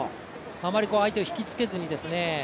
あまり相手を引きつけずに。